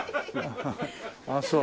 あっそう。